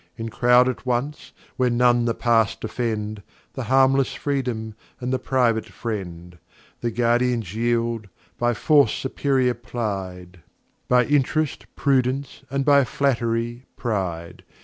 In croud at once, where none the Pass defend, The harmless Freedom, and the private Friend. The Guardians yield, by Force superior ply'd; By Int'rest, Prudence; and by Flatt'ry, Pride.